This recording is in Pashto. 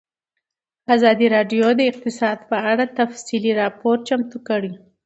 ازادي راډیو د اقتصاد په اړه تفصیلي راپور چمتو کړی.